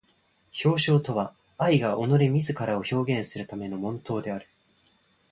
表象とは愛が己れ自ら表現するための煩悶である。